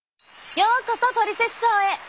ようこそ「トリセツショー」へ。